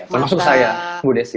maksud saya bu desi